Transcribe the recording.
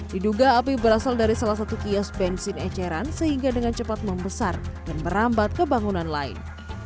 diduga api berasal dari salah satu kios bensin eceran sehingga dengan cepat membesar dan merambat ke bangunan lain